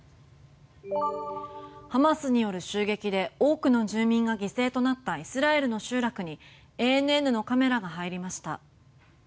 ハマスによる襲撃で多くの住民が犠牲となったイスラエルの集落にＡＮＮのカメラが入りました。